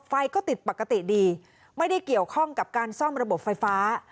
ไฟก็ติดปกติดีไม่ได้เกี่ยวข้องกับการซ่อมระบบไฟฟ้า